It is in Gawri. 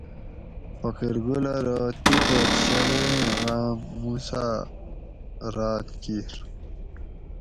فقیرگل ارو تی پت شلیٔیں غام موسیٰ ھہ راۤت کیر